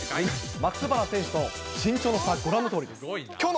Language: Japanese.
松原選手と身長の差、ご覧のとおりです。